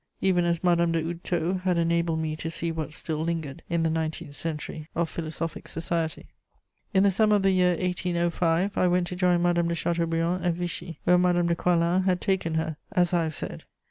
even as Madame de Houdetot had enabled me to see what still lingered, in the nineteenth century, of philosophic society. * In the summer of the year 1805, I went to join Madame de Chateaubriand at Vichy, where Madame de Coislin had taken her, as I have said.